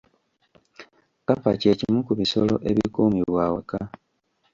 Kkapa ky’ekimu ku bisolo ebikuumibwa awaka.